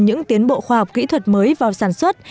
những tiến bộ khoa học kỹ thuật mới vào sản xuất